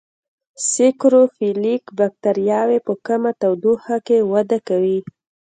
سیکروفیلیک بکټریاوې په کمه تودوخه کې وده کوي.